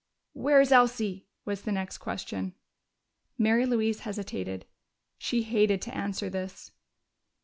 "Where is Elsie?" was the next question. Mary Louise hesitated: she hated to answer this.